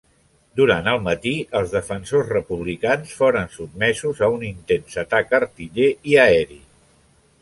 Durant el matí, els defensors republicans foren sotmesos a un intens atac artiller i aeri.